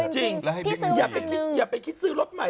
จริงอย่าไปคิดซื้อรถใหม่